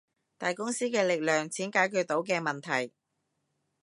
大公司嘅力量，錢解決到嘅問題